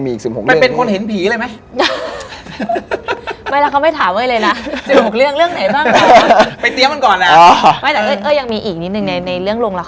มีเรื่องผีอีก๑๖เรื่อง